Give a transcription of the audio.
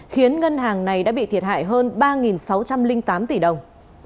khiến ngân hàng này đã bị thiệt hại hơn ba sáu trăm linh tám tỷ đồng